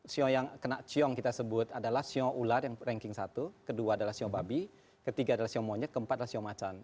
ceo yang kena ceo kita sebut adalah ceo ular yang ranking satu kedua adalah ceo babi ketiga adalah ceo monyet keempat adalah ceo macan